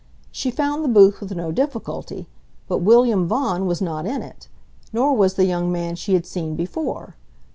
She found the booth with no difficulty, but William Vaughan was not in it. Nor was the young man she had seen before.